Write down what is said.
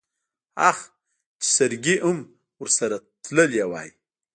اخ چې سرګي ام ورسره تلی وای.